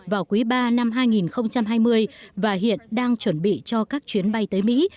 vào quý ba năm hai nghìn hai mươi và hiện đang chuẩn bị cho các chuyến bay tới mỹ